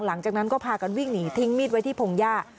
หลังจากนั้นก็พากันวิ่งหนีทิ้งมีดไว้ที่พงหญ้า